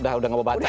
sudah nggak mau baca